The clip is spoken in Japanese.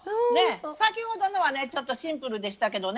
先ほどのはねちょっとシンプルでしたけどね